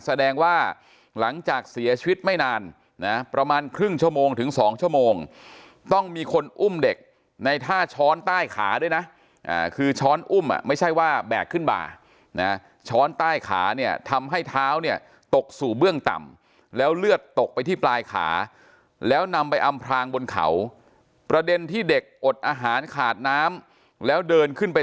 แสดงว่าหลังจากเสียชีวิตไม่นานนะประมาณครึ่งชั่วโมงถึง๒ชั่วโมงต้องมีคนอุ้มเด็กในท่าช้อนใต้ขาด้วยนะคือช้อนอุ้มอ่ะไม่ใช่ว่าแบกขึ้นมานะช้อนใต้ขาเนี่ยทำให้เท้าเนี่ยตกสู่เบื้องต่ำแล้วเลือดตกไปที่ปลายขาแล้วนำไปอำพลางบนเขาประเด็นที่เด็กอดอาหารขาดน้ำแล้วเดินขึ้นไป